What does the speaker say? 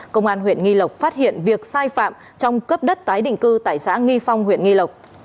công an huyện nghi lộc phát hiện việc sai phạm trong cấp đất tái định cư tại xã nghi phong huyện nghi lộc